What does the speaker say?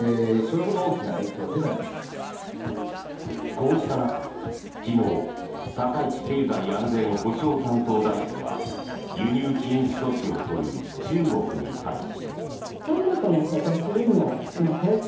こうした中、昨日高市経済安全保障担当大臣は輸入禁止措置を取る中国に対し。